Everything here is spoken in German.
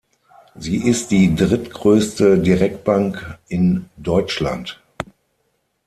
Sie ist die drittgrößte Direktbank in Deutschland.